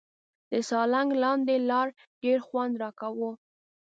د سالنګ لاندې لار ډېر خوند راکاوه.